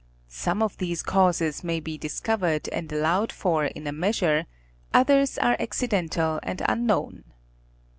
Some of these causes may be discovered and allowed for in a measure, others are accidental and unknown.